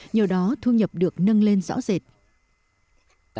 nhờ đó thu nhập được nâng lên rõ rệt